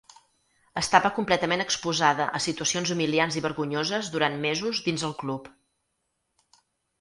Estava completament exposada a situacions humiliants i vergonyoses durant mesos dins el club.